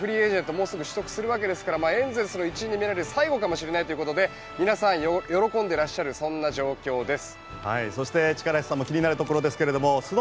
もうすぐ取得するわけですからエンゼルスで見れる最後かもしれないということで皆さん、喜んでらっしゃるそんな状況です。